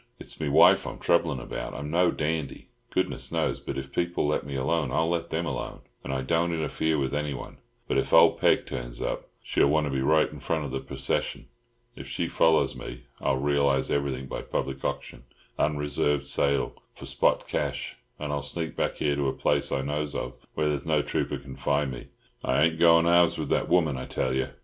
"It's me wife I'm troublin' about. I'm no dandy, Goodness knows, but if people'll let me alone I'll let them alone, and I don't interfere with anyone. But if old Peg turns up she'll want to be right in front of the percession. If she follows me, I'll realise everything by public auction, unreserved sale, for spot cash, and I'll sneak back here to a place I knows of, where there's no trooper can find me. I ain't goin' halves with that woman, I tell you.